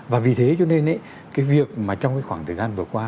và vì thế cho nên cái việc mà trong cái khoảng thời gian vừa qua